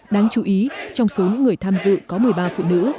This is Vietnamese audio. đáng chú ý trong số những người tham dự có một mươi ba phụ nữ